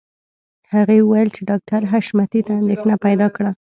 هغې وویل چې ډاکټر حشمتي ته اندېښنه پیدا کړه